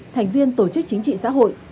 thành viên tổ chức chính trị xã hội